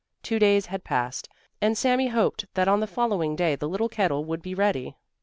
Two days had passed, and Sami hoped that on the following day the little kettle would be ready.